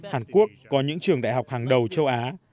hàn quốc có những trường đại học hàng đầu châu á